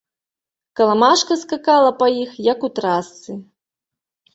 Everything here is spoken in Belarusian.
Каламажка скакала па іх, як у трасцы.